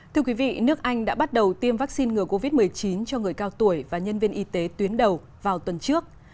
thưa quý vị nước anh đã bắt đầu tiêm vaccine ngừa covid một mươi chín cho người cao tuổi và nhân viên y tế tuyến đầu vào tuần trước